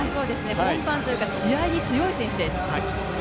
本番というか試合に強い選手です。